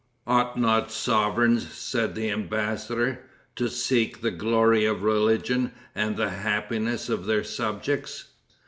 "Ought not sovereigns," said the embassador, "to seek the glory of religion and the happiness of their subjects?